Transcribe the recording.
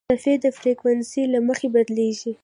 څپې د فریکونسۍ له مخې بدلېږي.